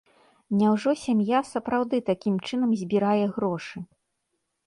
Няўжо сям'я сапраўды такім чынам збірае грошы?